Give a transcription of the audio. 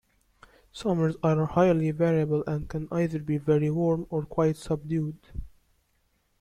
Summers are highly variable and can be either very warm or quite subdued.